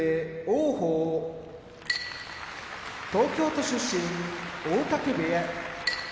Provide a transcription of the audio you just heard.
王鵬東京都出身大嶽部屋